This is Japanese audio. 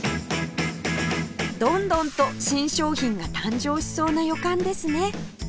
どんどんと新商品が誕生しそうな予感ですね